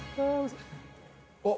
あっ